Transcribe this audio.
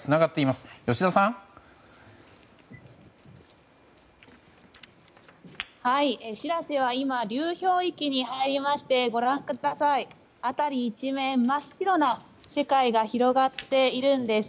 「しらせ」は今流氷域に入りましてご覧ください辺り一面、真っ白な世界が広がっているんです。